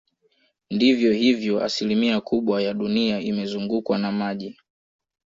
Ndivyo hivyo asilimia kubwa ya dunia imezungukwa na maji